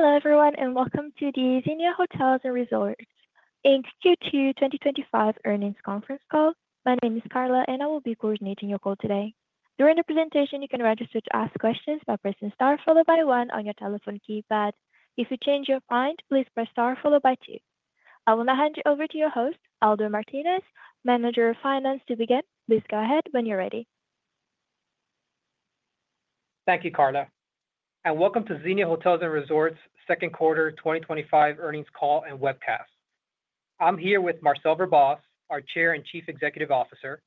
Hello, everyone, and welcome to the Xenia Hotels & Resorts, Inc Q2 2025 earnings conference call. My name is Carla, and I will be coordinating your call today. During the presentation, you can register to ask questions by pressing star followed by one on your telephone keypad. If you change your mind, please press star followed by two. I will now hand you over to your host, Aldo Martinez, Manager of Finance, to begin. Please go ahead when you're ready. Thank you, Carla. Welcome to Xenia Hotels & Resorts' second quarter 2025 earnings call and webcast. I'm here with Marcel Verbaas, our Chair and Chief Executive Officer,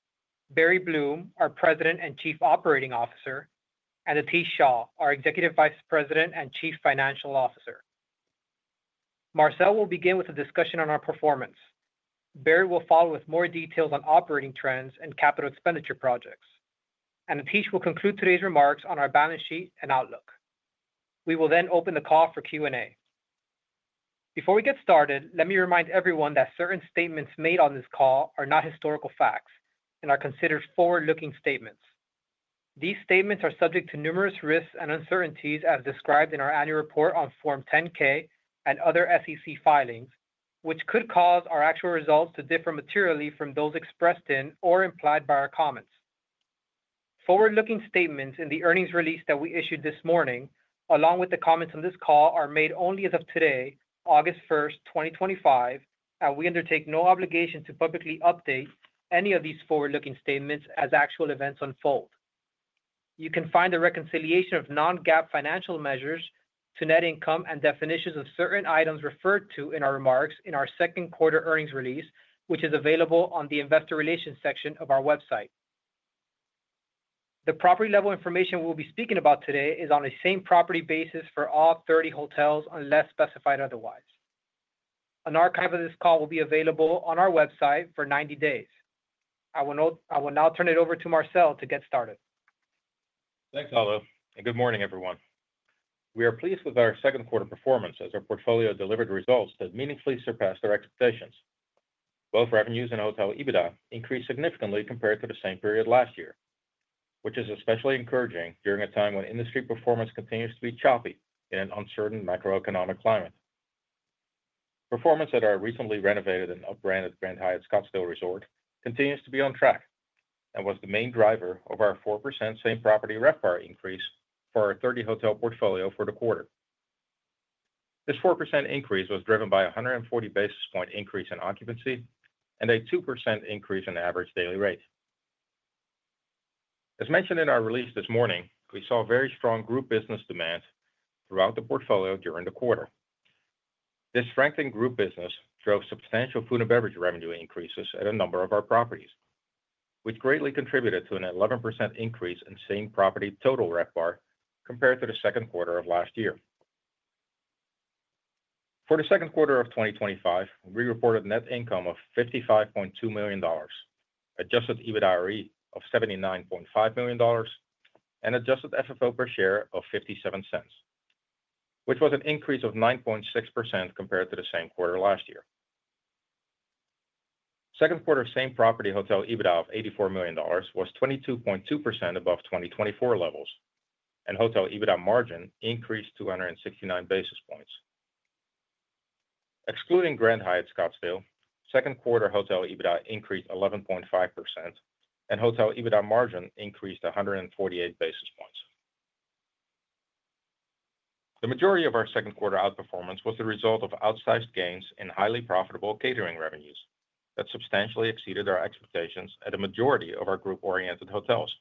Barry Bloom, our President and Chief Operating Officer, and Atish Shah, our Executive Vice President and Chief Financial Officer. Marcel will begin with a discussion on our performance. Barry will follow with more details on operating trends and capital expenditure projects. Atish will conclude today's remarks on our balance sheet and outlook. We will then open the call for Q&A. Before we get started, let me remind everyone that certain statements made on this call are not historical facts and are considered forward-looking statements. These statements are subject to numerous risks and uncertainties, as described in our annual report on Form 10-K and other SEC filings, which could cause our actual results to differ materially from those expressed in or implied by our comments. Forward-looking statements in the earnings release that we issued this morning, along with the comments on this call, are made only as of today, August 1, 2025, and we undertake no obligation to publicly update any of these forward-looking statements as actual events unfold. You can find the reconciliation of non-GAAP financial measures to net income and definitions of certain items referred to in our remarks in our second quarter earnings release, which is available on the Investor Relations section of our website. The property-level information we will be speaking about today is on the same property basis for all 30 hotels, unless specified otherwise. An archive of this call will be available on our website for 90 days. I will now turn it over to Marcel to get started. Thanks, Aldo, and good morning, everyone. We are pleased with our second-quarter performance, as our portfolio delivered results that meaningfully surpassed our expectations. Both revenues and hotel EBITDA increased significantly compared to the same period last year, which is especially encouraging during a time when industry performance continues to be choppy in an uncertain macroeconomic climate. Performance at our recently renovated and upbranded Grand Hyatt Scottsdale Resort continues to be on track and was the main driver of our 4% same-property RevPAR increase for our 30-hotel portfolio for the quarter. This 4% increase was driven by a 140 basis point increase in occupancy and a 2% increase in average daily rate. As mentioned in our release this morning, we saw very strong group business demand throughout the portfolio during the quarter. This strengthened group business drove substantial food and beverage revenue increases at a number of our properties, which greatly contributed to an 11% increase in same-property total RevPAR compared to the second quarter of last year. For the second quarter of 2025, we reported a net income of $55.2 million, adjusted EBITDAre of $79.5 million, and adjusted FFO per share of $0.57, which was an increase of 9.6% compared to the same quarter last year. Second quarter same-property hotel EBITDA of $84 million was 22.2% above 2024 levels, and hotel EBITDA margin increased 269 basis points. Excluding Grand Hyatt Scottsdale, second-quarter hotel EBITDA increased 11.5%, and hotel EBITDA margin increased 148 basis points. The majority of our second-quarter outperformance was the result of outsized gains in highly profitable catering revenues that substantially exceeded our expectations at a majority of our group-oriented hotels.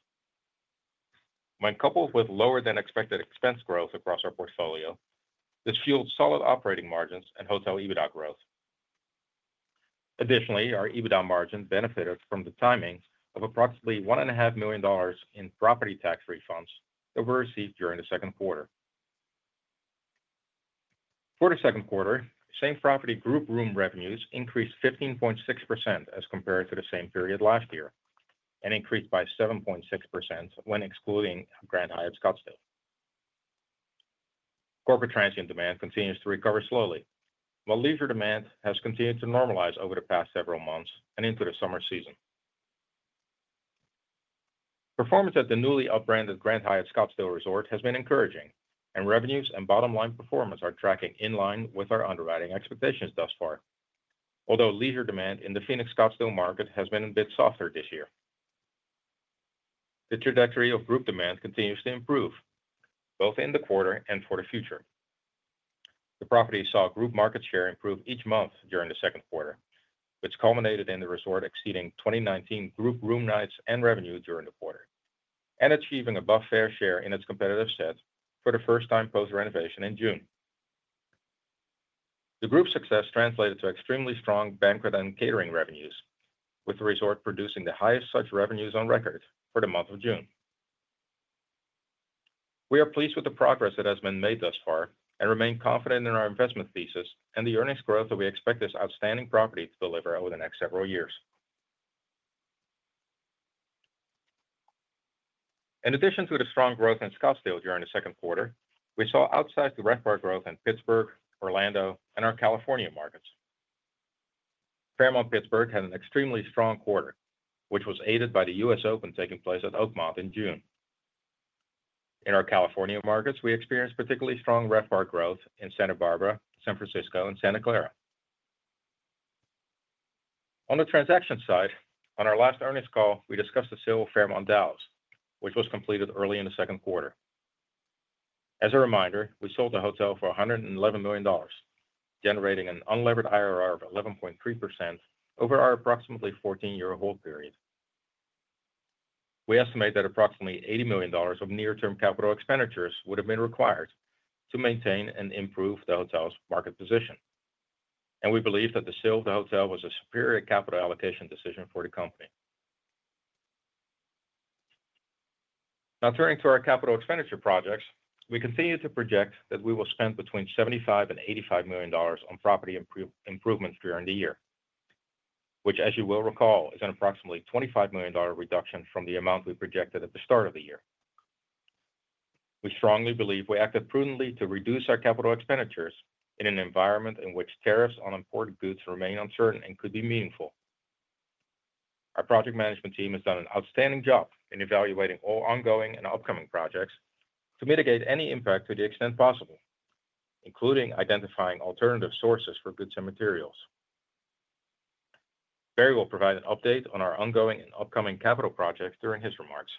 When coupled with lower-than-expected expense growth across our portfolio, this fueled solid operating margins and hotel EBITDA growth. Additionally, our EBITDA margin benefited from the timings of approximately $1.5 million in property tax refunds that were received during the second quarter. For the second quarter, same-property group room revenues increased 15.6% as compared to the same period last year and increased by 7.6% when excluding Grand Hyatt Scottsdale. Corporate transient demand continues to recover slowly, while leisure demand has continued to normalize over the past several months and into the summer season. Performance at the newly upbranded Grand Hyatt Scottsdale Resort has been encouraging, and revenues and bottom-line performance are tracking in line with our underwriting expectations thus far, although leisure demand in the Phoenix Scottsdale market has been a bit softer this year. The trajectory of group demand continues to improve, both in the quarter and for the future. The property saw group market share improve each month during the second quarter, which culminated in the resort exceeding 2019 group room nights and revenue during the quarter and achieving above fair share in its competitive set for the first time post-renovation in June. The group's success translated to extremely strong banquet and catering revenues, with the resort producing the highest such revenues on record for the month of June. We are pleased with the progress that has been made thus far and remain confident in our investment thesis and the earnings growth that we expect this outstanding property to deliver over the next several years. In addition to the strong growth in Scottsdale during the second quarter, we saw outsized RevPAR growth in Pittsburgh, Orlando, and our California markets. Fairmont Pittsburgh had an extremely strong quarter, which was aided by the U.S. Open taking place at Oakmont in June. In our California markets, we experienced particularly strong RevPAR growth in Santa Barbara, San Francisco, and Santa Clara. On the transaction side, on our last earnings call, we discussed the sale of Fairmont Dallas, which was completed early in the second quarter. As a reminder, we sold the hotel for $111 million, generating an unlevered IRR of 11.3% over our approximately 14-year hold period. We estimate that approximately $80 million of near-term CapEx would have been required to maintain and improve the hotel's market position, and we believe that the sale of the hotel was a superior capital allocation decision for the company. Now, turning to our capital expenditure projects, we continue to project that we will spend between $75 million and $85 million on property improvements during the year, which, as you will recall, is an approximately $25 million reduction from the amount we projected at the start of the year. We strongly believe we acted prudently to reduce our capital expenditures in an environment in which tariffs on imported goods remain uncertain and could be meaningful. Our project management team has done an outstanding job in evaluating all ongoing and upcoming projects to mitigate any impact to the extent possible, including identifying alternative sources for goods and materials. Barry will provide an update on our ongoing and upcoming capital projects during his remarks.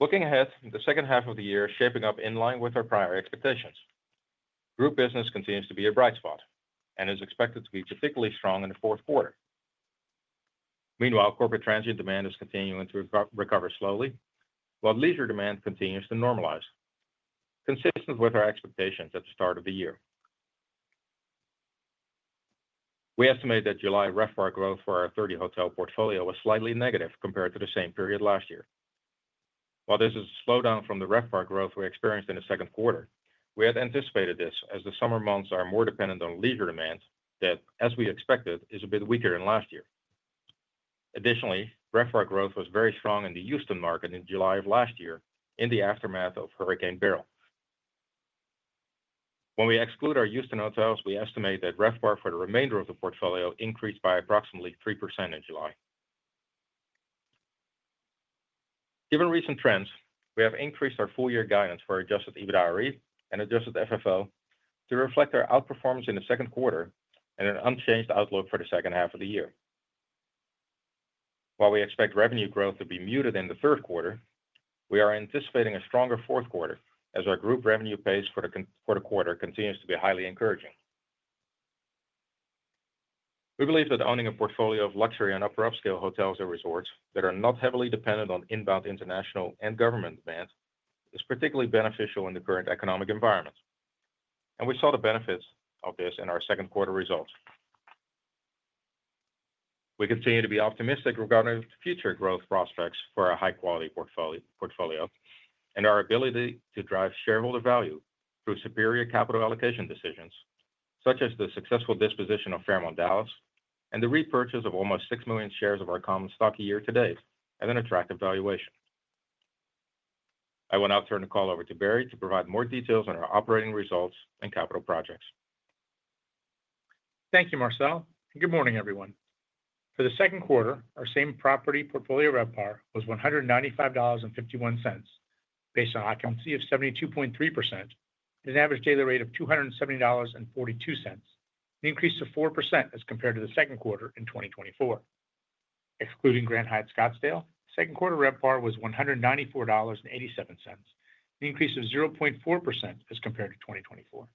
Looking ahead, the second half of the year is shaping up in line with our prior expectations. Group business continues to be a bright spot and is expected to be particularly strong in the fourth quarter. Meanwhile, corporate transient demand is continuing to recover slowly, while leisure demand continues to normalize, consistent with our expectations at the start of the year. We estimate that July RevPAR growth for our 30-hotel portfolio was slightly negative compared to the same period last year. While this is a slowdown from the RevPAR growth we experienced in the second quarter, we had anticipated this as the summer months are more dependent on leisure demand, that, as we expected, is a bit weaker than last year. Additionally, RevPAR growth was very strong in the Houston market in July of last year in the aftermath of Hurricane Beryl. When we exclude our Houston hotels, we estimate that RevPAR for the remainder of the portfolio increased by approximately 3% in July. Given recent trends, we have increased our full-year guidance for adjusted EBITDAre, and adjusted FFO per share to reflect our outperformance in the second quarter and an unchanged outlook for the second half of the year. While we expect revenue growth to be muted in the third quarter, we are anticipating a stronger fourth quarter as our group room revenue pace for the quarter continues to be highly encouraging. We believe that owning a portfolio of luxury and upper-upscale hotels and resorts that are not heavily dependent on inbound international and government demand is particularly beneficial in the current economic environment, and we saw the benefits of this in our second quarter results. We continue to be optimistic regarding future growth prospects for our high-quality portfolio and our ability to drive shareholder value through superior capital allocation decisions, such as the successful disposition of Fairmont Dallas and the repurchase of almost 6 million shares of our common stock year to date at an attractive valuation. I will now turn the call over to Barry to provide more details on our operating results and capital projects. Thank you, Marcel, and good morning, everyone. For the second quarter, our same-property portfolio RevPAR was $195.51 based on an occupancy of 72.3% and an average daily rate of $270.42, an increase of 4% as compared to the second quarter in 2024. Excluding Grand Hyatt Scottsdale, second-quarter RevPAR was $194.87, an increase of 0.4% as compared to 2024.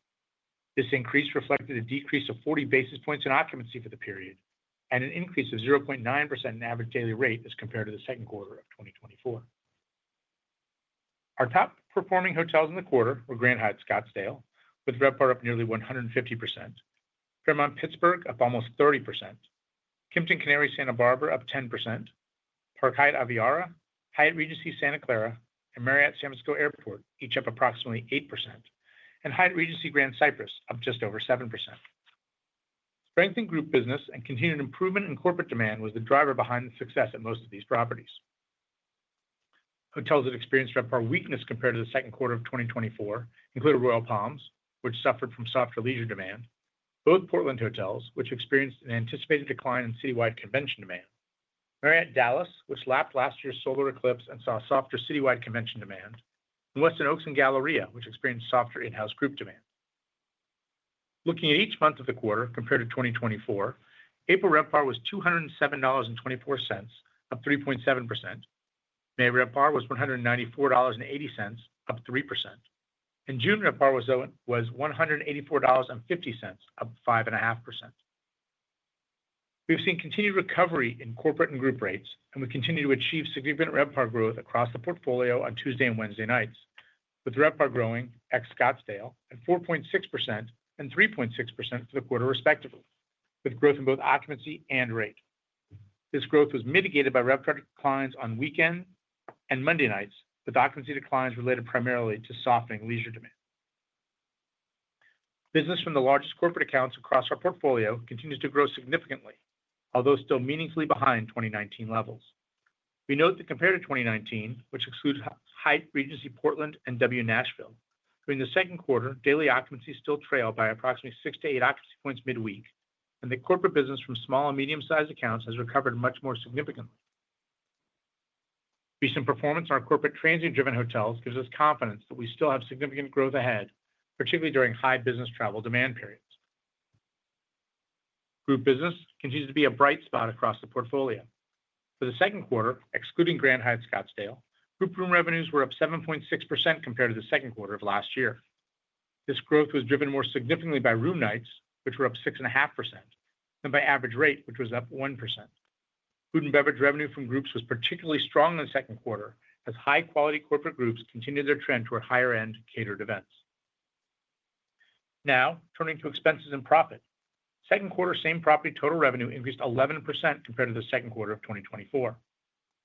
This increase reflected a decrease of 40 basis points in occupancy for the period and an increase of 0.9% in average daily rate as compared to the second quarter of 2024. Our top performing hotels in the quarter were Grand Hyatt Scottsdale, with RevPAR up nearly 150%, Fairmont Pittsburgh, up almost 30%, Kimpton Canary Santa Barbara, up 10%, Park Hyatt Aviara, Hyatt Regency Santa Clara, and Marriott San Francisco Airport each up approximately 8%, and Hyatt Regency Grand Cypress, up just over 7%. Strengthened group business and continued improvement in corporate demand was the driver behind the success at most of these properties. Hotels that experienced RevPAR weakness compared to the second quarter of 2024 include Royal Palms, which suffered from softer leisure demand, both Portland hotels, which experienced an anticipated decline in citywide convention demand, Marriott Dallas, which lapped last year's solar eclipse and saw softer citywide convention demand, and Westin Oaks and Galleria, which experienced softer in-house group demand. Looking at each month of the quarter compared to 2024, April RevPAR was $207.24, up 3.7%, May RevPAR was $194.80, up 3%, and June RevPAR was $184.50, up 5.5%. We've seen continued recovery in corporate and group rates, and we continue to achieve significant RevPAR growth across the portfolio on Tuesday and Wednesday nights, with RevPAR growing at Scottsdale at 4.6% and 3.6% for the quarter, respectively, with growth in both occupancy and rate. This growth was mitigated by RevPAR declines on weekend and Monday nights, with occupancy declines related primarily to softening leisure demand. Business from the largest corporate accounts across our portfolio continues to grow significantly, although still meaningfully behind 2019 levels. We note that compared to 2019, which excludes Hyatt Regency Portland and W Nashville, during the second quarter, daily occupancy still trailed by approximately 6 to 8 occupancy points midweek, and that corporate business from small and medium-sized accounts has recovered much more significantly. Recent performance on our corporate transient-driven hotels gives us confidence that we still have significant growth ahead, particularly during high business travel demand periods. Group business continues to be a bright spot across the portfolio. For the second quarter, excluding Grand Hyatt Scottsdale, group room revenues were up 7.6% compared to the second quarter of last year. This growth was driven more significantly by room nights, which were up 6.5%, and by average rate, which was up 1%. Food and beverage revenue from groups was particularly strong in the second quarter, as high-quality corporate groups continued their trend toward higher-end catered events. Now, turning to expenses and profit, second-quarter same-property total revenue increased 11% compared to the second quarter of 2024.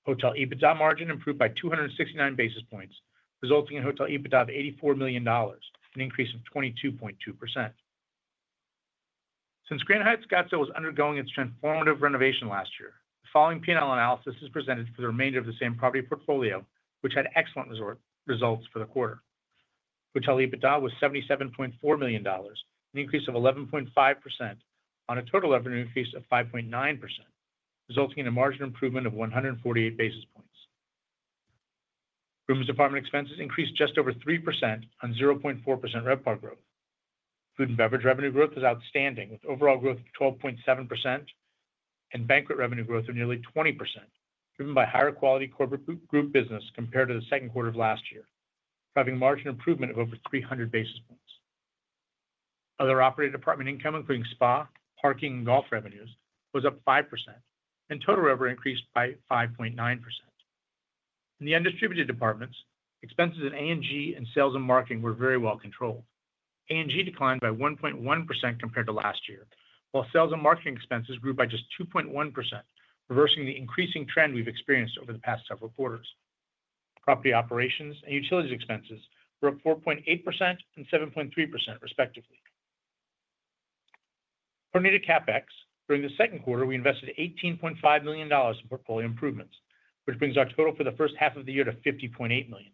Hotel EBITDA margin improved by 269 basis points, resulting in a hotel EBITDA of $84 million, an increase of 22.2%. Since Grand Hyatt Scottsdale was undergoing its transformative renovation last year, the following P&L analysis is presented for the remainder of the same-property portfolio, which had excellent results for the quarter. Hotel EBITDA was $77.4 million, an increase of 11.5% on a total revenue increase of 5.9%, resulting in a margin improvement of 148 basis points. Rooms and apartment expenses increased just over 3% on 0.4% RevPAR growth. Food and beverage revenue growth was outstanding, with overall growth of 12.7% and banquet revenue growth of nearly 20%, driven by higher quality corporate group business compared to the second quarter of last year, driving margin improvement of over 300 basis points. Other operating department income, including spa, parking, and golf revenues, was up 5%, and total revenue increased by 5.9%. In the untributed departments, expenses in A&G and sales and marketing were very well controlled. A&G declined by 1.1% compared to last year, while sales and marketing expenses grew by just 2.1%, reversing the increasing trend we've experienced over the past several quarters. Property operations and utilities expenses were up 4.8% and 7.3% respectively. Turning to CapEx, during the second quarter, we invested $18.5 million in portfolio improvements, which brings our total for the first half of the year to $50.8 million.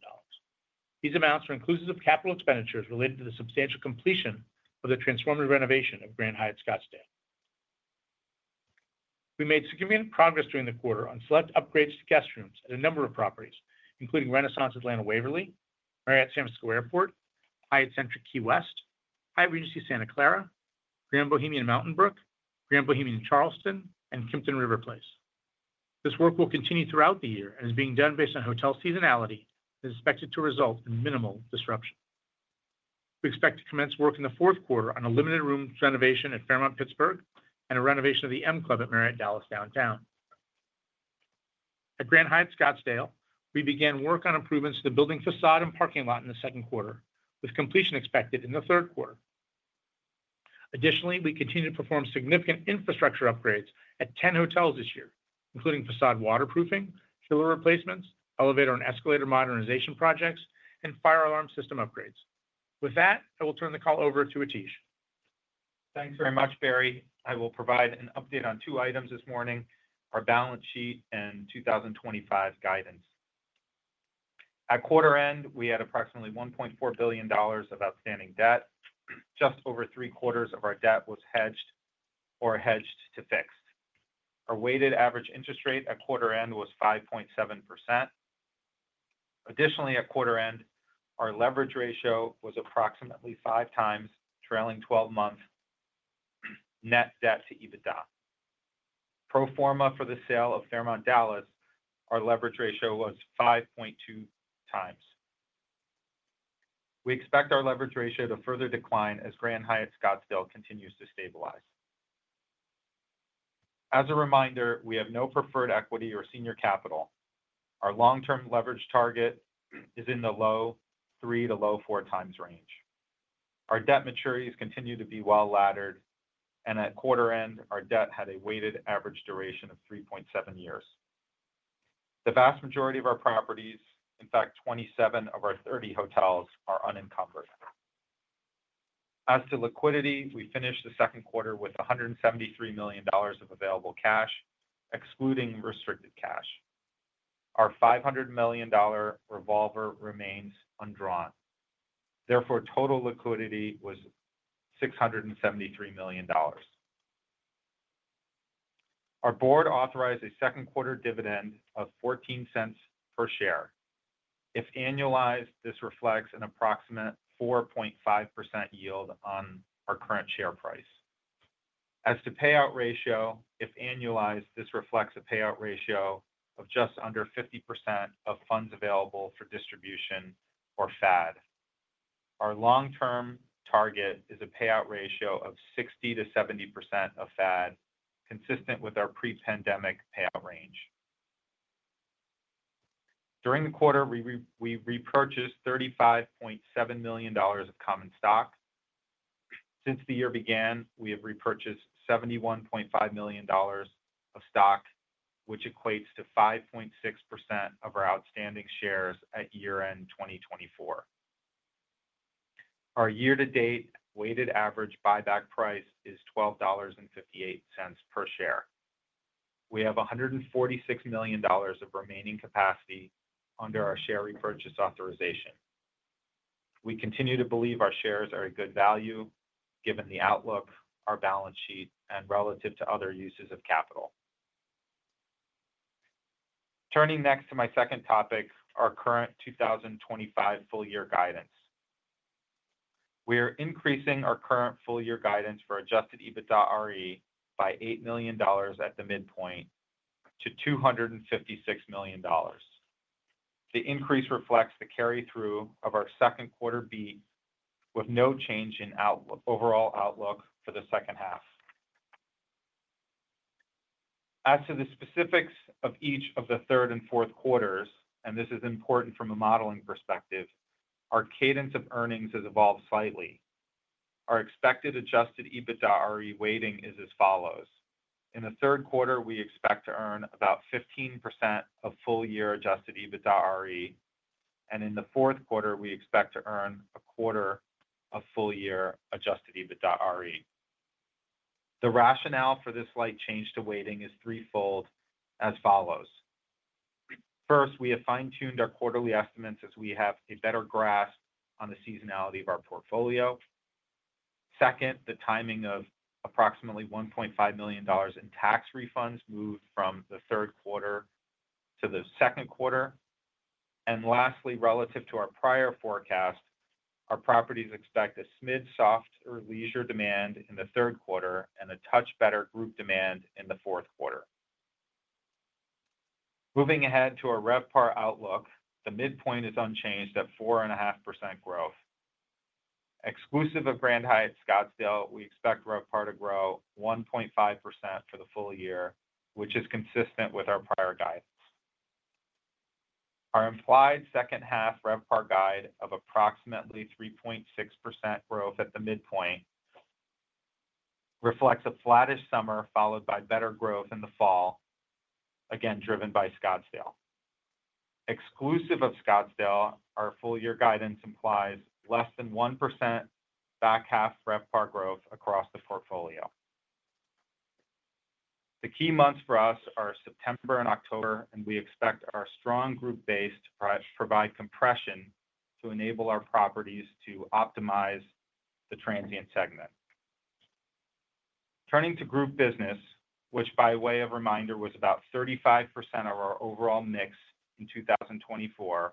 These amounts are inclusive of capital expenditures related to the substantial completion of the transformative renovation of Grand Hyatt Scottsdale. We made significant progress during the quarter on select upgrades to guest rooms at a number of properties, including Renaissance Atlanta Waverly, Marriott San Francisco Airport, Hyatt Centric Key West, Hyatt Regency Santa Clara, Grand Bohemian Mountain Brook, Grand Bohemian Charleston, and Kimpton RiverPlace. This work will continue throughout the year and is being done based on hotel seasonality and is expected to result in minimal disruption. We expect to commence work in the fourth quarter on a limited room renovation at Fairmont Pittsburgh and a renovation of the M Club at Marriott Dallas Downtown. At Grand Hyatt Scottsdale, we began work on improvements to the building facade and parking lot in the second quarter, with completion expected in the third quarter. Additionally, we continue to perform significant infrastructure upgrades at 10 hotels this year, including facade waterproofing, pillar replacements, elevator and escalator modernization projects, and fire alarm system upgrades. With that, I will turn the call over to Atish. Thanks very much, Barry. I will provide an update on two items this morning: our balance sheet and 2025 guidance. At quarter end, we had approximately $1.4 billion of outstanding debt. Just over three-quarters of our debt was hedged or hedged to fix. Our weighted average interest rate at quarter end was 5.7%. Additionally, at quarter end, our leverage ratio was approximately five times trailing 12-month net debt to EBITDA. Pro forma for the sale of Fairmont Dallas, our leverage ratio was 5.2 times. We expect our leverage ratio to further decline as Grand Hyatt Scottsdale continues to stabilize. As a reminder, we have no preferred equity or senior capital. Our long-term leverage target is in the low three to low four times range. Our debt maturities continue to be well-laddered, and at quarter end, our debt had a weighted average duration of 3.7 years. The vast majority of our properties, in fact, 27 of our 30 hotels, are unencumbered. As to liquidity, we finished the second quarter with $173 million of available cash, excluding restricted cash. Our $500 million revolver remains undrawn. Therefore, total liquidity was $673 million. Our board authorized a second-quarter dividend of $0.14 per share. If annualized, this reflects an approximate 4.5% yield on our current share price. As to payout ratio, if annualized, this reflects a payout ratio of just under 50% of funds available for distribution or FAD. Our long-term target is a payout ratio of 60 to 70% of FAD, consistent with our pre-pandemic payout range. During the quarter, we repurchased $35.7 million of common stock. Since the year began, we have repurchased $71.5 million of stock, which equates to 5.6% of our outstanding shares at year-end 2024. Our year-to-date weighted average buyback price is $12.58 per share. We have $146 million of remaining capacity under our share repurchase authorization. We continue to believe our shares are a good value given the outlook, our balance sheet, and relative to other uses of capital. Turning next to my second topic, our current 2025 full-year guidance. We are increasing our current full-year guidance for adjusted EBITDAre by $8 million at the midpoint to $256 million. The increase reflects the carry-through of our second-quarter beat with no change in overall outlook for the second half. As to the specifics of each of the third and fourth quarters, and this is important from a modeling perspective, our cadence of earnings has evolved slightly. Our expected adjusted EBITDAre weighting is as follows: in the third quarter, we expect to earn about 15% of full-year adjusted EBITDAre, and in the fourth quarter, we expect to earn a quarter of full-year adjusted EBITDAre. The rationale for this slight change to weighting is threefold, as follows. First, we have fine-tuned our quarterly estimates as we have a better grasp on the seasonality of our portfolio. Second, the timing of approximately $1.5 million in tax refunds moved from the third quarter to the second quarter. Lastly, relative to our prior forecast, our properties expect a smidge softer leisure demand in the third quarter and a touch better group demand in the fourth quarter. Moving ahead to our RevPAR outlook, the midpoint is unchanged at 4.5% growth. Exclusive of Grand Hyatt Scottsdale, we expect RevPAR to grow 1.5% for the full year, which is consistent with our prior guidance. Our implied second-half RevPAR guide of approximately 3.6% growth at the midpoint reflects a flattish summer followed by better growth in the fall, again driven by Scottsdale. Exclusive of Scottsdale, our full-year guidance implies less than 1% back half RevPAR growth across the portfolio. The key months for us are September and October, and we expect our strong group base to provide compression to enable our properties to optimize the transient segment. Turning to group business, which by way of reminder was about 35% of our overall mix in 2024,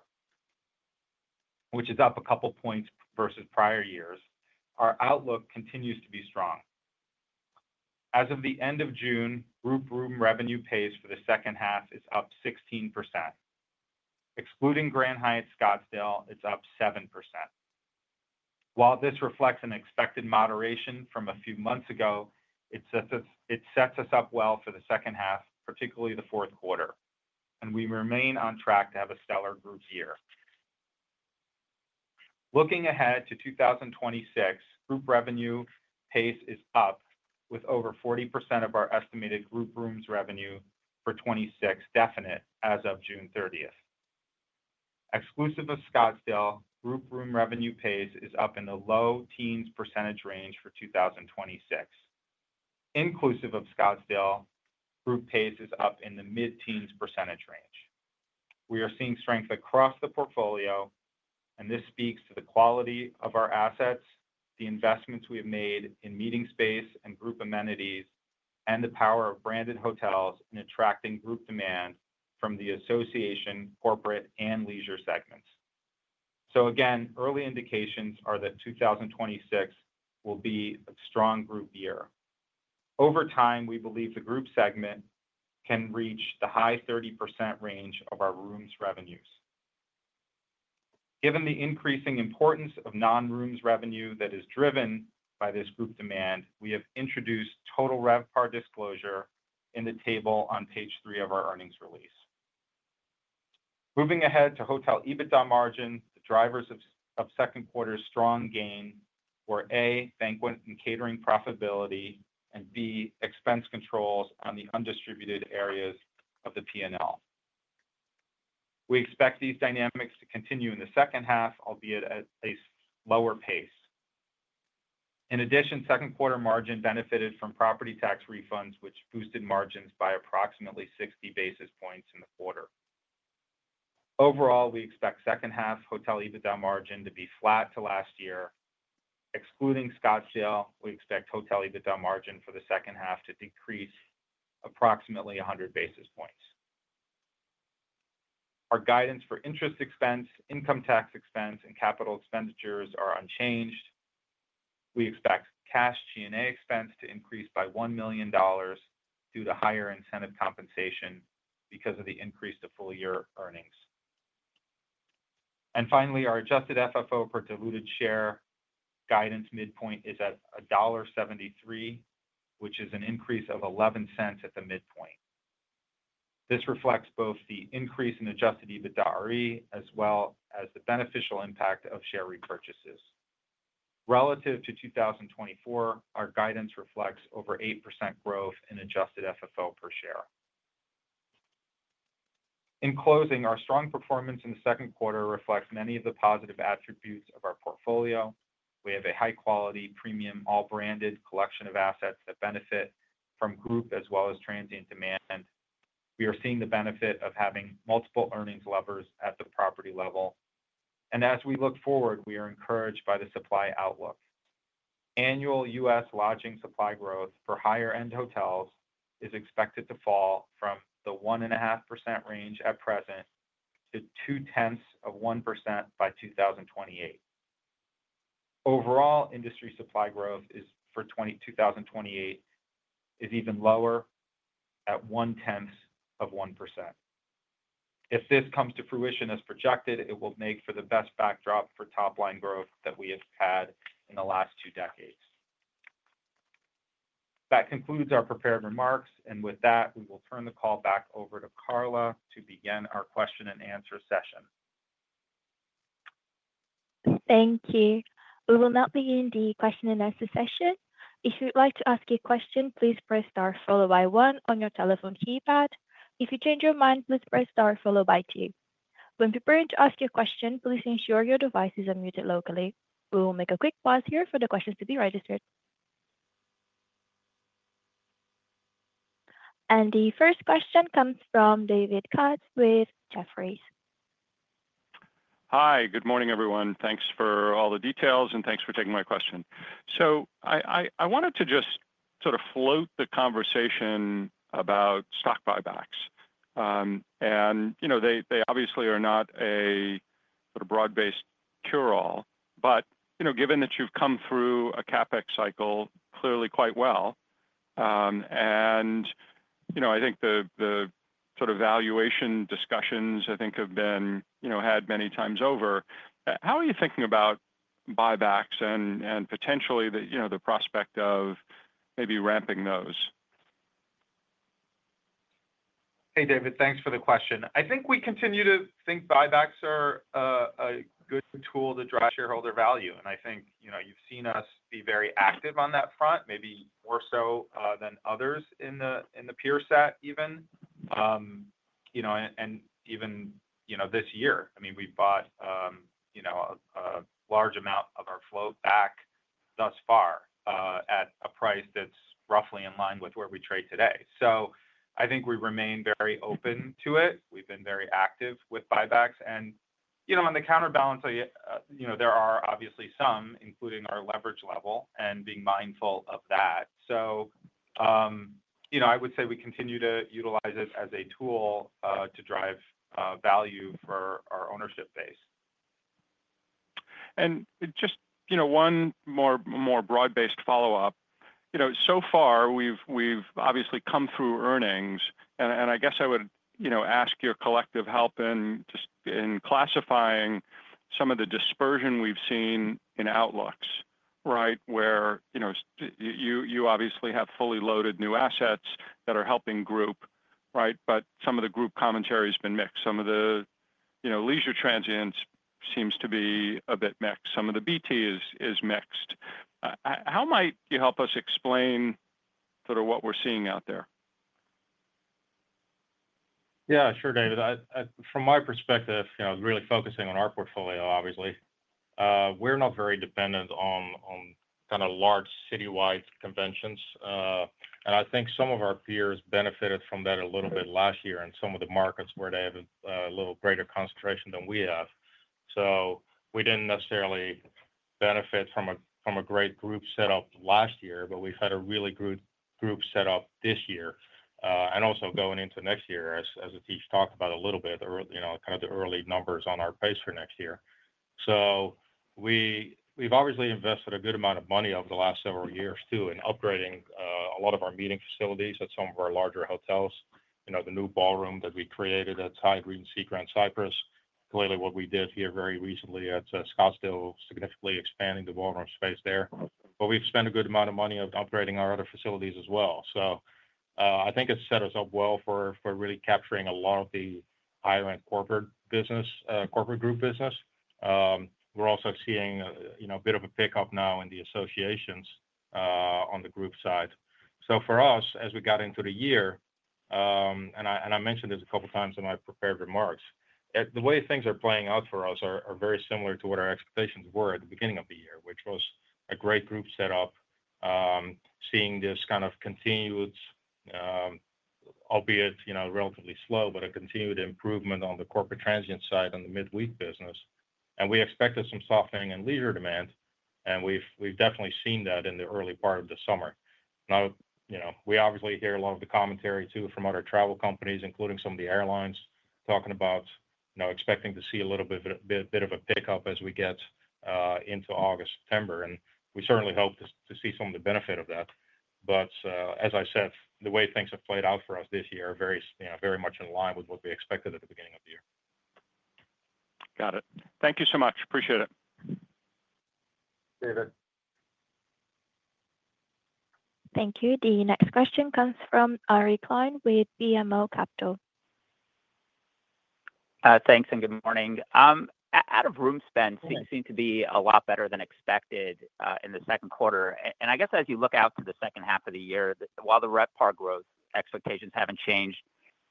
which is up a couple of points versus prior years, our outlook continues to be strong. As of the end of June, group room revenue pace for the second half is up 16%. Excluding Grand Hyatt Scottsdale, it's up 7%. While this reflects an expected moderation from a few months ago, it sets us up well for the second half, particularly the fourth quarter, and we remain on track to have a stellar group year. Looking ahead to 2026, group revenue pace is up with over 40% of our estimated group rooms revenue for 2026 definite as of June 30. Exclusive of Scottsdale, group room revenue pace is up in the low teens % range for 2026. Inclusive of Scottsdale, group pace is up in the mid-teens % range. We are seeing strength across the portfolio, and this speaks to the quality of our assets, the investments we have made in meeting space and group amenities, and the power of branded hotels in attracting group demand from the association, corporate, and leisure segments. Early indications are that 2026 will be a strong group year. Over time, we believe the group segment can reach the high 30% range of our rooms revenues. Given the increasing importance of non-rooms revenue that is driven by this group demand, we have introduced total RevPAR disclosure in the table on page three of our earnings release. Moving ahead to hotel EBITDA margin, the drivers of second quarter's strong gain were (a) banquet and catering profitability and (b) expense controls on the undistributed areas of the P&L. We expect these dynamics to continue in the second half, albeit at a lower pace. In addition, second-quarter margin benefited from property tax refunds, which boosted margins by approximately 60 basis points in the quarter. Overall, we expect second-half hotel EBITDA margin to be flat to last year. Excluding Scottsdale, we expect hotel EBITDA margin for the second half to decrease approximately 100 basis points. Our guidance for interest expense, income tax expense, and capital expenditures are unchanged. We expect cash G&A expense to increase by $1 million due to higher incentive compensation because of the increase to full-year earnings. Finally, our adjusted FFO per diluted share guidance midpoint is at $1.73, which is an increase of $0.11 at the midpoint. This reflects both the increase in adjusted EBITDAre as well as the beneficial impact of share repurchases. Relative to 2024, our guidance reflects over 8% growth in adjusted FFO per share. In closing, our strong performance in the second quarter reflects many of the positive attributes of our portfolio. We have a high-quality, premium, all-branded collection of assets that benefit from group as well as transient demand. We are seeing the benefit of having multiple earnings levers at the property level. As we look forward, we are encouraged by the supply outlook. Annual U.S. lodging supply growth for higher-end hotels is expected to fall from the 1.5% range at present to 0.2% by 2028. Overall, industry supply growth for 2028 is even lower at 0.1%. If this comes to fruition as projected, it will make for the best backdrop for top-line growth that we have had in the last two decades. That concludes our prepared remarks, and with that, we will turn the call back over to Carla to begin our question-and-answer session. Thank you. We will now begin the question and answer session. If you'd like to ask your question, please press star followed by one on your telephone keypad. If you change your mind, please press star followed by two. When preparing to ask your question, please ensure your devices are muted locally. We will make a quick pause here for the questions to be registered. The first question comes from David Katz with Jefferies. Hi, good morning, everyone. Thanks for all the details, and thanks for taking my question. I wanted to just sort of float the conversation about stock buybacks. They obviously are not a sort of broad-based cure-all, but given that you've come through a CapEx cycle clearly quite well, and I think the sort of valuation discussions have been had many times over, how are you thinking about buybacks and potentially the prospect of maybe ramping those? Hey, David, thanks for the question. I think we continue to think buybacks are a good tool to drive shareholder value, and I think you've seen us be very active on that front, maybe more so than others in the peer set, even. Even this year, I mean, we bought a large amount of our float back thus far at a price that's roughly in line with where we trade today. I think we remain very open to it. We've been very active with buybacks, and on the counterbalance, there are obviously some, including our leverage level, and being mindful of that. I would say we continue to utilize it as a tool to drive value for our ownership base. Just one more broad-based follow-up. So far, we've obviously come through earnings, and I guess I would ask your collective help in classifying some of the dispersion we've seen in outlooks, right, where you obviously have fully loaded new assets that are helping group, but some of the group commentary has been mixed. Some of the leisure transients seem to be a bit mixed. Some of the BT is mixed. How might you help us explain, sort of, what we're seeing out there? Yeah, sure, David. From my perspective, you know, really focusing on our portfolio, obviously, we're not very dependent on kind of large citywide conventions, and I think some of our peers benefited from that a little bit last year in some of the markets where they have a little greater concentration than we have. We didn't necessarily benefit from a great group setup last year, but we've had a really good group setup this year, and also going into next year, as Atish talked about a little bit, you know, kind of the early numbers on our pace for next year. We've obviously invested a good amount of money over the last several years, too, in upgrading a lot of our meeting facilities at some of our larger hotels. You know, the new ballroom that we created at Hyatt Regency Grand Cypress, lately what we did here very recently at Scottsdale, significantly expanding the ballroom space there. We've spent a good amount of money upgrading our other facilities as well. I think it's set us up well for really capturing a lot of the higher-end corporate business, corporate group business. We're also seeing a bit of a pickup now in the associations on the group side. For us, as we got into the year, and I mentioned this a couple of times in my prepared remarks, the way things are playing out for us are very similar to what our expectations were at the beginning of the year, which was a great group setup, seeing this kind of continued, albeit relatively slow, but a continued improvement on the corporate transient side and the midweek business. We expected some softening in leisure demand, and we've definitely seen that in the early part of the summer. You know, we obviously hear a lot of the commentary too from other travel companies, including some of the airlines, talking about, you know, expecting to see a little bit of a pickup as we get into August, September, and we certainly hope to see some of the benefit of that. As I said, the way things have played out for us this year is very much in line with what we expected at the beginning of the year. Got it. Thank you so much. Appreciate it. David. Thank you. The next question comes from Ari Klein with BMO Capital. Thanks, and good morning. Out-of-room spend seemed to be a lot better than expected in the second quarter. As you look out to the second half of the year, while the RevPAR growth expectations haven't changed,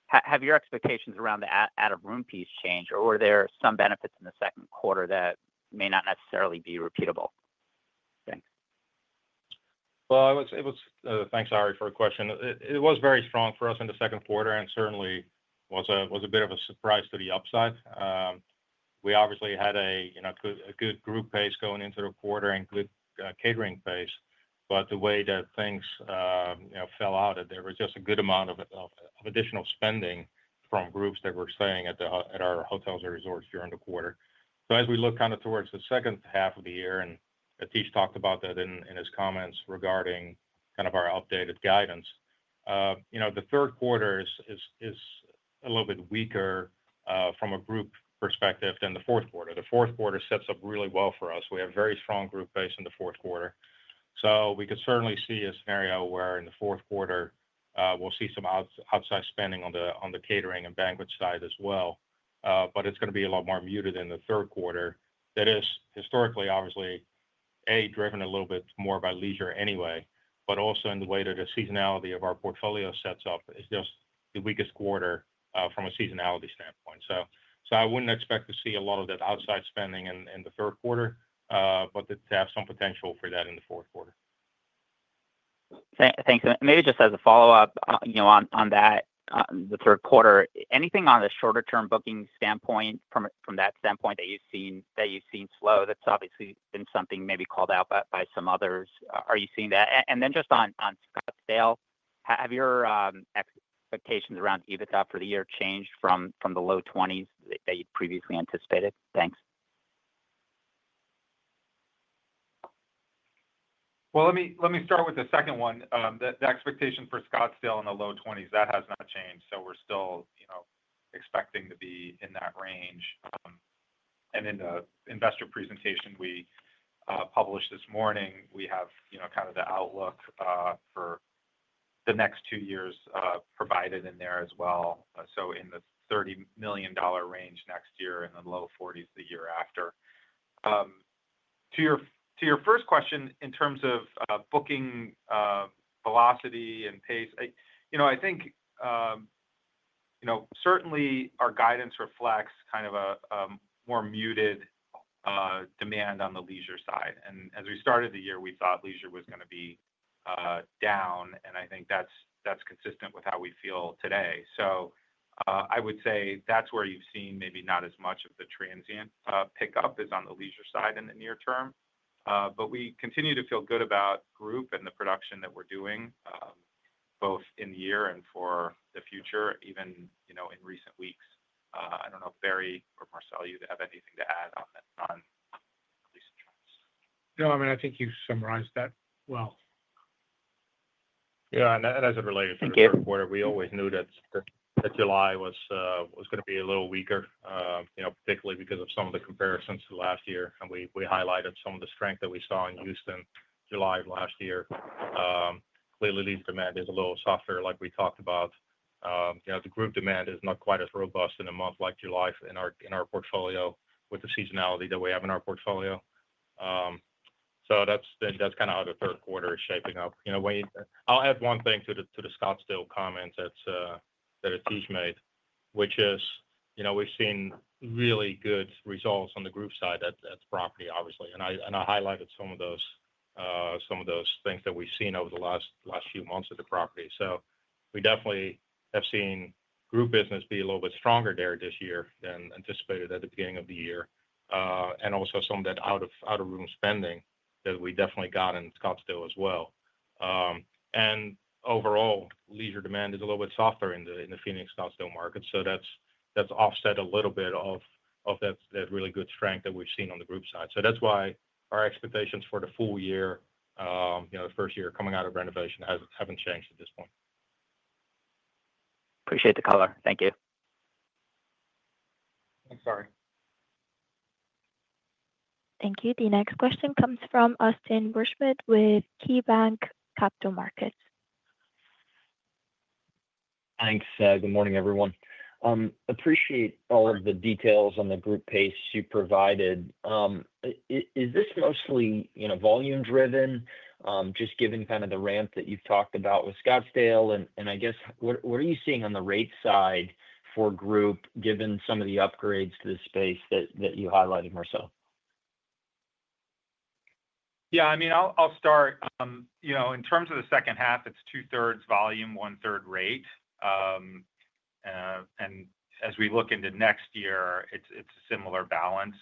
have your expectations around the out-of-room piece changed, or were there some benefits in the second quarter that may not necessarily be repeatable? Thanks. Thank you, Ari, for the question. It was very strong for us in the second quarter and certainly was a bit of a surprise to the upside. We obviously had a good group pace going into the quarter and good catering pace, but the way that things fell out, there was just a good amount of additional spending from groups that were staying at our hotels and resorts during the quarter. As we look kind of towards the second half of the year, and Atish talked about that in his comments regarding kind of our updated guidance, the third quarter is a little bit weaker from a group perspective than the fourth quarter. The fourth quarter sets up really well for us. We have a very strong group base in the fourth quarter. We could certainly see a scenario where, in the fourth quarter, we'll see some outside spending on the catering and banquet side as well, but it's going to be a lot more muted in the third quarter. That is, historically, obviously, A, driven a little bit more by leisure anyway, but also in the way that the seasonality of our portfolio sets up is just the weakest quarter from a seasonality standpoint. I wouldn't expect to see a lot of that outside spending in the third quarter, but to have some potential for that in the fourth quarter. Thanks. Maybe just as a follow-up, on that, the third quarter, anything on the shorter-term booking standpoint from that standpoint that you've seen slow? That's obviously been something maybe called out by some others. Are you seeing that? Just on sale, have your expectations around EBITDA for the year changed from the low 20s that you previously anticipated? Thanks. Let me start with the second one. The expectation for Scottsdale in the low 20s that has not changed. We're still expecting to be in that range. In the investor presentation we published this morning, we have the outlook for the next two years provided in there as well, in the $30 million range next year and the low 40s the year after. To your first question, in terms of booking velocity and pace, I think certainly our guidance reflects a more muted demand on the leisure side. As we started the year, we thought leisure was going to be down, and I think that's consistent with how we feel today. I would say that's where you've seen maybe not as much of the transient pickup as on the leisure side in the near term. We continue to feel good about group and the production that we're doing, both in the year and for the future, even in recent weeks. I don't know if Barry or Marcel you have anything to add on that. No, I mean, I think you summarized that well. Yeah, and as it related to the third quarter, we always knew that July was going to be a little weaker, particularly because of some of the comparisons to last year. We highlighted some of the strength that we saw in Houston July of last year. Lately, leisure demand is a little softer, like we talked about. The group demand is not quite as robust in a month like July in our portfolio, with the seasonality that we have in our portfolio. That's kind of how the third quarter is shaping up. I'll add one thing to the Scottsdale comments that Atish made, which is, we've seen really good results on the group side at the property, obviously. I highlighted some of those things that we've seen over the last few months at the property. We definitely have seen group business be a little bit stronger there this year than anticipated at the beginning of the year. Also, some of that out-of-room spending that we definitely got in Scottsdale as well. Overall, leisure demand is a little bit softer in the Phoenix Scottsdale market. That's offset a little bit of that really good strength that we've seen on the group side. That's why our expectations for the full year, the first year coming out of renovation, haven't changed at this point. Appreciate the call. Thank you. Thanks, Ari. Thank you. The next question comes from Austin Wurschmidt with KeyBanc Capital Markets. Thanks. Good morning, everyone. I appreciate all of the details on the group pace you provided. Is this mostly, you know, volume-driven, just given kind of the ramp that you've talked about with Scottsdale? I guess, what are you seeing on the rate side for group, given some of the upgrades to the space that you highlighted, Marcel? Yeah, I mean, I'll start. In terms of the second half, it's two-thirds volume, one-third rate. As we look into next year, it's a similar balance,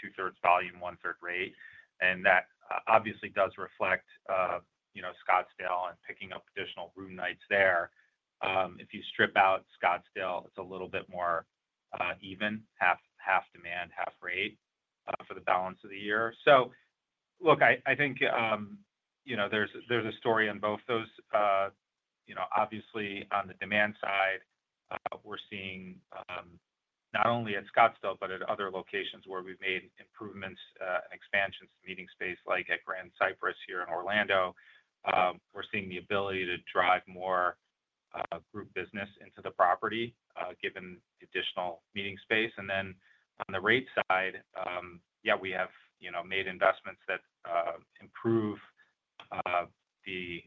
two-thirds volume, one-third rate. That obviously does reflect, you know, Scottsdale and picking up additional room nights there. If you strip out Scottsdale, it's a little bit more even, half demand, half rate for the balance of the year. I think there's a story on both those. Obviously, on the demand side, we're seeing not only at Scottsdale, but at other locations where we've made improvements and expansions to meeting space, like at Grand Cypress, here in Orlando. We're seeing the ability to drive more group business into the property, given additional meeting space. On the rate side, yeah, we have made investments that improve the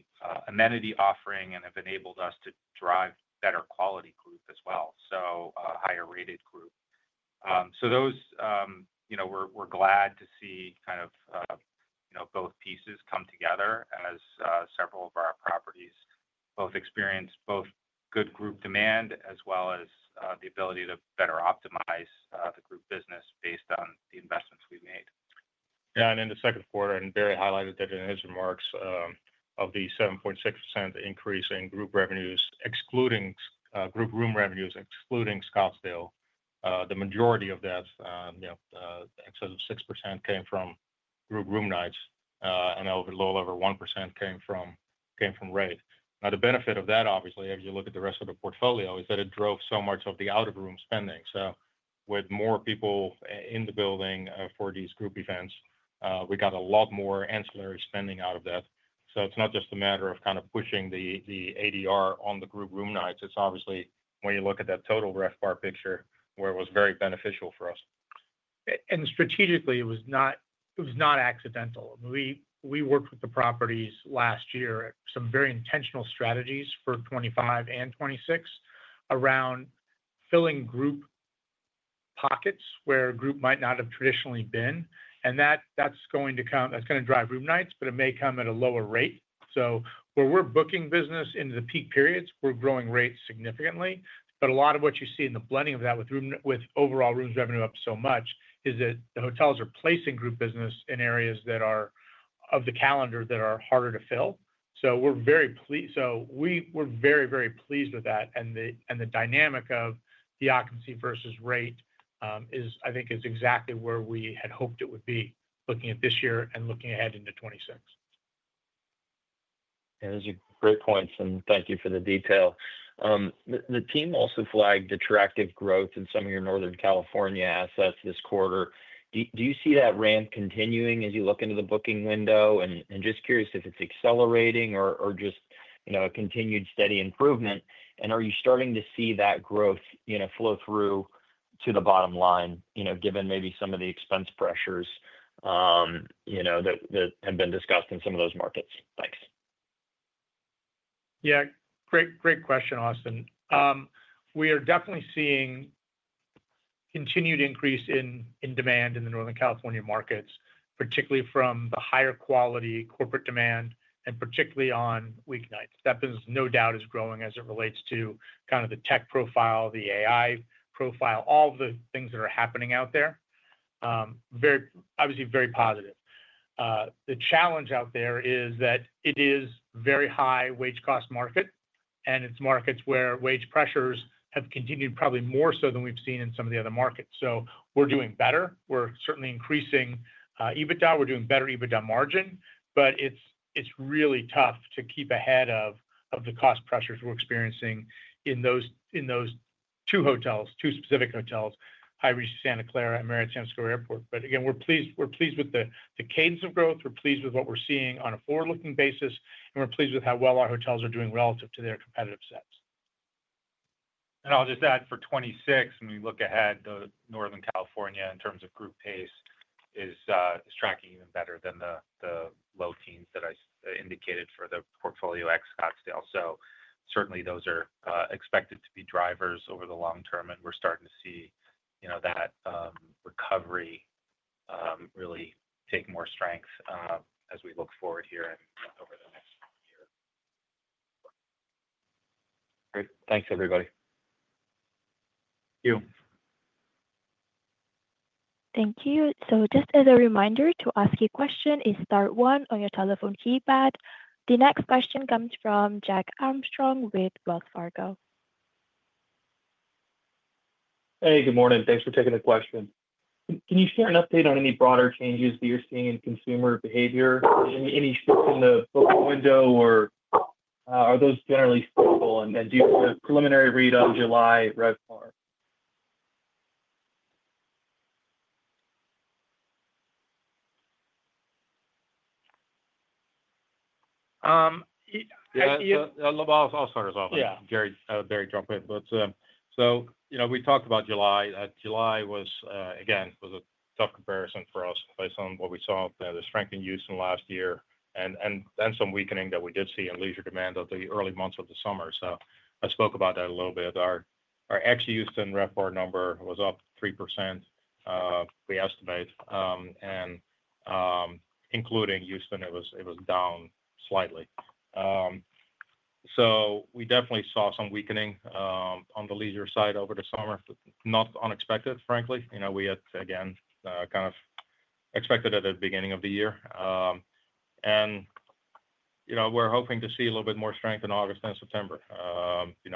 amenity offering and have enabled us to drive better quality group as well, so a higher-rated group. We're glad to see both pieces come together as several of our properties experience both good group demand as well as the ability to better optimize the group business based on the investments we've made. Yeah, in the second quarter, Barry highlighted that in his remarks of the 7.6% increase in group revenues, excluding group room revenues, excluding Scottsdale, the majority of that, you know, the excess of 6% came from group room nights, and a little over 1% came from rate. The benefit of that, obviously, if you look at the rest of the portfolio, is that it drove so much of the out-of-room spending. With more people in the building for these group events, we got a lot more ancillary spending out of that. It's not just a matter of kind of pushing the ADR on the group room nights. Obviously, when you look at that total RevPAR picture, it was very beneficial for us. Strategically, it was not accidental. We worked with the properties last year at some very intentional strategies for 2025 and 2026 around filling group pockets where group might not have traditionally been. That is going to come, that is going to drive room nights, but it may come at a lower rate. Where we're booking business into the peak periods, we're growing rates significantly. A lot of what you see in the blending of that with overall rooms revenue up so much is that the hotels are placing group business in areas of the calendar that are harder to fill. We are very, very pleased with that. The dynamic of the occupancy versus rate is, I think, exactly where we had hoped it would be, looking at this year and looking ahead into 2026. That is a great point, and thank you for the detail. The team also flagged attractive growth in some of your Northern California assets this quarter. Do you see that ramp continuing as you look into the booking window? Is it accelerating or just a continued steady improvement? Are you starting to see that growth flow through to the bottom line, given maybe some of the expense pressures that have been discussed in some of those markets? Thanks. Yeah, great question, Austin. We are definitely seeing a continued increase in demand in the Northern California markets, particularly from the higher quality corporate demand and particularly on weeknights. That business no doubt is growing as it relates to kind of the tech profile, the AI profile, all of the things that are happening out there. Obviously, very positive. The challenge out there is that it is a very high wage cost market, and it's markets where wage pressures have continued, probably more so than we've seen in some of the other markets. We're doing better. We're certainly increasing EBITDA. We're doing better EBITDA margin, but it's really tough to keep ahead of the cost pressures we're experiencing in those two hotels, two specific hotels, Hyatt Regency Santa Clara, and Marriott San Francisco Airport. We're pleased with the cadence of growth. We're pleased with what we're seeing on an overlooking basis, and we're pleased with how well our hotels are doing relative to their competitive sets. For 2026, when you look ahead, Northern California in terms of group pace is tracking even better than the low teens that I indicated for the portfolio ex-Scottsdale. Certainly, those are expected to be drivers over the long term, and we're starting to see that recovery really take more strength as we look forward here and over the next year. Great. Thanks, everybody. Thank you. Thank you. Just as a reminder to ask your question, it is star one on your telephone keypad. The next question comes from Jack Armstrong with Wells Fargo. Hey, good morning. Thanks for taking the question. Can you share an update on any broader changes that you're seeing in consumer behavior? Any shift in the book window, or are those generally stable? Do you see a preliminary read on July RevPAR? I'll start us off. Barry dropped it. We talked about July. July was, again, a tough comparison for us based on what we saw, the strength in Houston last year, and then some weakening that we did see in leisure demand at the early months of the summer. I spoke about that a little bit. Our ex-Houston RevPAR number was up 3%, we estimate. Including Houston, it was down slightly. We definitely saw some weakening on the leisure side over the summer, not unexpected, frankly. We had, again, kind of expected that at the beginning of the year. We're hoping to see a little bit more strength in August and September.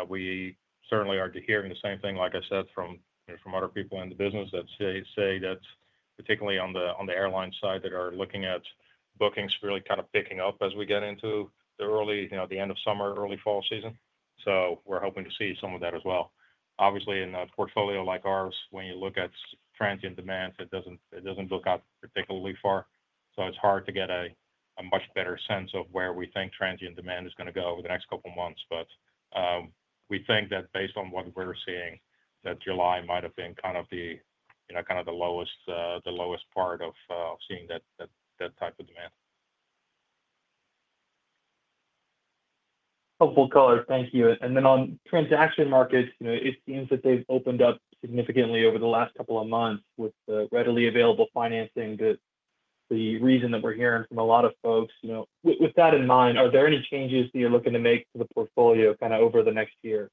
We certainly are hearing the same thing, like I said, from other people in the business that say that, particularly on the airline side, that are looking at bookings really kind of picking up as we get into the end of summer, early fall season. We're hoping to see some of that as well. Obviously, in a portfolio like ours, when you look at transient demand, it doesn't look out particularly far. It's hard to get a much better sense of where we think transient demand is going to go over the next couple of months. We think that, based on what we're seeing, July might have been kind of the lowest part of seeing that type of demand. Helpful call. Thank you. On transaction markets, it seems that they've opened up significantly over the last couple of months with the readily available financing. The reason that we're hearing from a lot of folks, with that in mind, are there any changes that you're looking to make to the portfolio over the next year?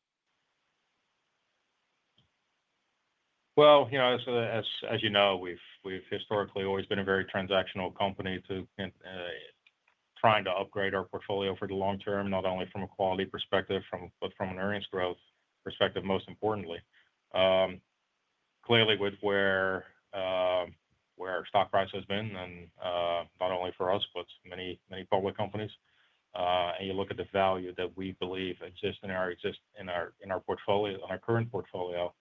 As you know, we've historically always been a very transactional company trying to upgrade our portfolio for the long term, not only from a quality perspective, but from an earnings growth perspective, most importantly. Clearly, with where our stock price has been, and not only for us, but many public companies, and you look at the value that we believe exists in our portfolio, in our current portfolio,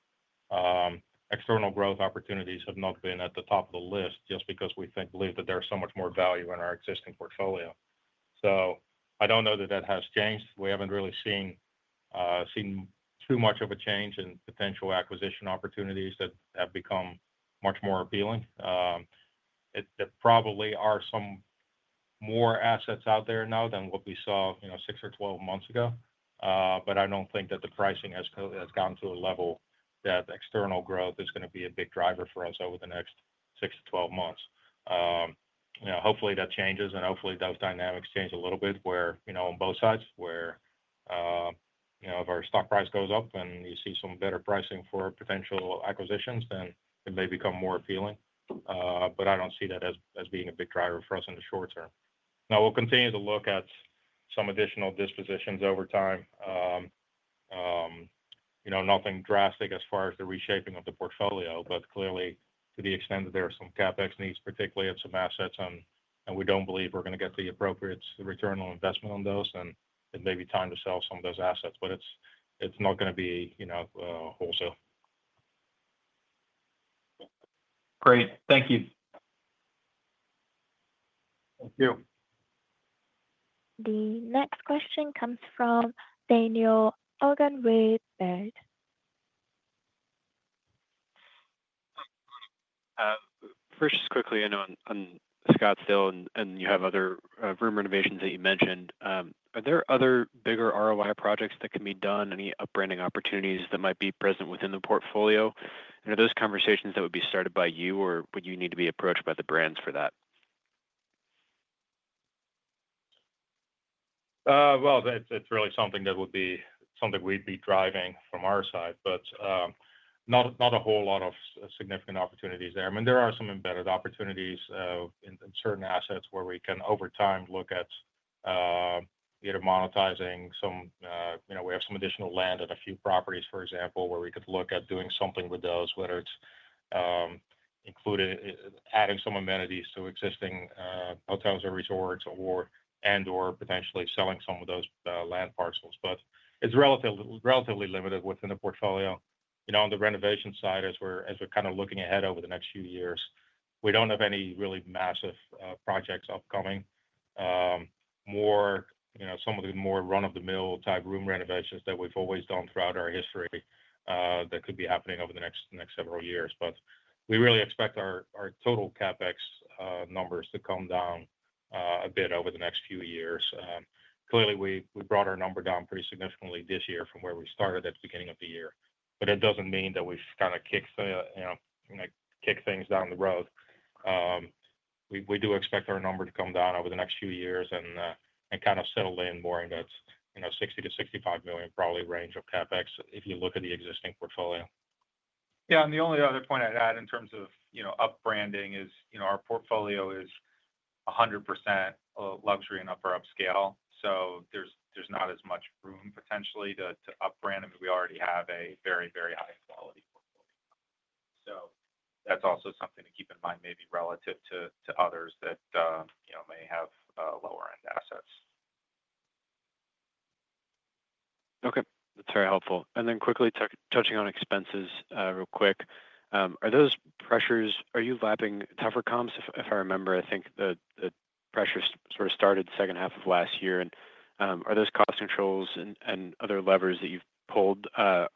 external growth opportunities have not been at the top of the list just because we believe that there's so much more value in our existing portfolio. I don't know that that has changed. We haven't really seen too much of a change in potential acquisition opportunities that have become much more appealing. There probably are some more assets out there now than what we saw 6 or 12 months ago. I don't think that the pricing has gone to a level that external growth is going to be a big driver for us over the next 6 to 12 months. Hopefully, that changes, and hopefully, those dynamics change a little bit where, on both sides where, if our stock price goes up and you see some better pricing for potential acquisitions, then it may become more appealing. I don't see that as being a big driver for us in the short term. We'll continue to look at some additional dispositions over time. Nothing drastic as far as the reshaping of the portfolio, but clearly, to the extent that there are some CapEx needs, particularly of some assets, and we don't believe we're going to get the appropriate return on investment on those, then it may be time to sell some of those assets. It's not going to be, you know, also. Great. Thank you. Thank you. The next question comes from Daniel Ogan with Bank. First, just quickly, I know on Scottsdale, and you have other room renovations that you mentioned. Are there other bigger ROI projects that can be done? Any upbranding opportunities that might be present within the portfolio? Are those conversations that would be started by you, or would you need to be approached by the brands for that? It is really something that would be something we'd be driving from our side, but not a whole lot of significant opportunities there. I mean, there are some embedded opportunities in certain assets where we can, over time, look at either monetizing some, you know, we have some additional land in a few properties, for example, where we could look at doing something with those, whether it's including adding some amenities to existing hotels or resorts and/or potentially selling some of those land parcels. It is relatively limited within the portfolio. On the renovation side, as we're kind of looking ahead over the next few years, we don't have any really massive projects upcoming. More, you know, some of the more run-of-the-mill type room renovations that we've always done throughout our history that could be happening over the next several years. We really expect our total CapEx numbers to come down a bit over the next few years. Clearly, we brought our number down pretty significantly this year from where we started at the beginning of the year. That doesn't mean that we've kind of kicked things down the road. We do expect our number to come down over the next few years and kind of settle in more in that $60 to $65 million probably range of CapEx if you look at the existing portfolio. Yeah, the only other point I'd add in terms of upbranding is, our portfolio is 100% luxury and upper-upscale. There's not as much room potentially to upbrand. I mean, we already have a very, very high-quality portfolio. That's also something to keep in mind, maybe relative to others that may have lower-end assets. Okay. That's very helpful. Quickly touching on expenses real quick, are those pressures? Are you lapping tougher comps? If I remember, I think the pressure sort of started the second half of last year. Are those cost controls and other levers that you've pulled, are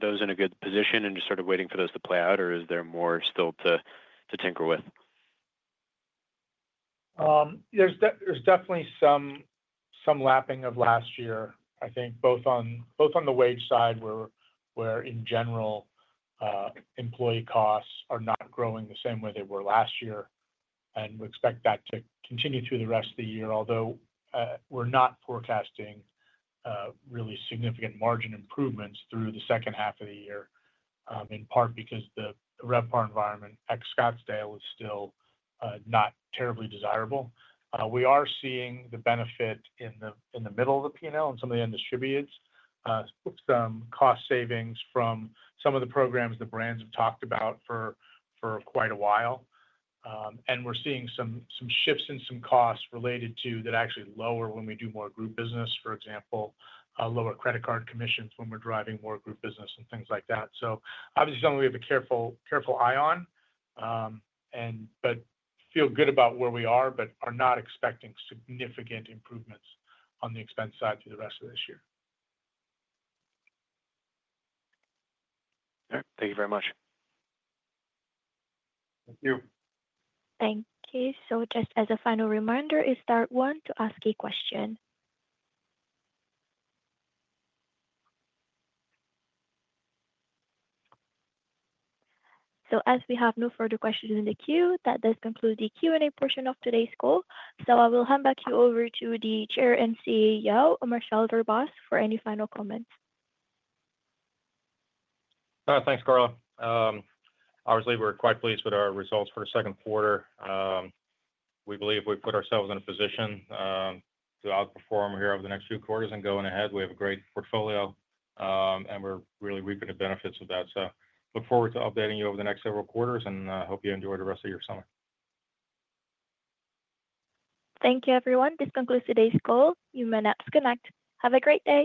those in a good position and just sort of waiting for those to play out, or is there more still to tinker with? There's definitely some lapping of last year, I think, both on the wage side, where, in general, employee costs are not growing the same way they were last year. We expect that to continue through the rest of the year, although we're not forecasting really significant margin improvements through the second half of the year, in part because the RevPAR environment ex-Scottsdale is still not terribly desirable. We are seeing the benefit in the middle of the P&L and some of the end distributes with some cost savings from some of the programs the brands have talked about for quite a while. We're seeing some shifts in some costs related to that, actually lower when we do more group business, for example, lower credit card commissions when we're driving more group business, and things like that. Obviously, something we have a careful eye on, but feel good about where we are, but are not expecting significant improvements on the expense side through the rest of this year. All right. Thank you very much. Thank you. Thank you. Just as a final reminder, if there is one to ask a question? As we have no further questions in the queue, that does conclude the Q&A portion of today's call. I will hand back over to the Chair and CEO, Marcel Verbaas, for any final comments. All right. Thanks, Carla. Obviously, we're quite pleased with our results for the second quarter. We believe we've put ourselves in a position to outperform here over the next few quarters. Going ahead, we have a great portfolio, and we're really reaping the benefits of that. I look forward to updating you over the next several quarters, and I hope you enjoy the rest of your summer. Thank you, everyone. This concludes today's call. You may now disconnect. Have a great day.